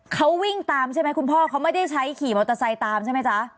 เขาวิ่งตามใช่ไหมคุณพ่อเขาไม่ได้ใช้ขี่มอเตอร์ไซค์ตามใช่ไหมจ๊ะ